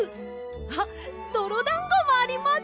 あっどろだんごもあります！